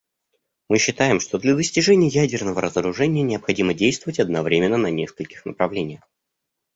Мы считаем, что для достижения ядерного разоружения необходимо действовать одновременно на нескольких направлениях.